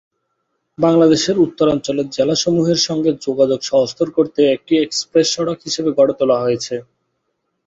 বাংলাদেশের উত্তরাঞ্চলের জেলাসমূহের সঙ্গে যোগাযোগ সহজতর করতে একটি এক্সপ্রেস সড়ক হিসেবে গড়ে তোলা হয়েছে।